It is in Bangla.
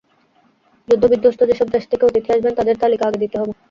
যুদ্ধবিধ্বস্ত যেসব দেশ থেকে অতিথি আসবেন তাদের তালিকা আগে দিতে হবে।